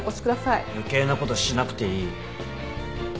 余計なことしなくていい。